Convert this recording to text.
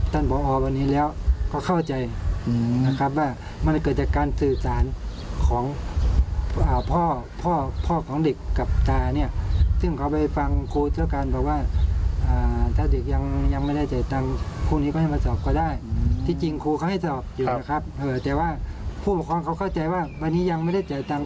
แต่ว่าผู้ประคองเขาเข้าใจว่าวันนี้ยังไม่ได้จ่ายตังค์